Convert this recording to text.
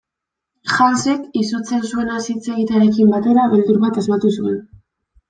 Hansek, izutzen zuenaz hitz egitearekin batera, beldur bat asmatu zuen.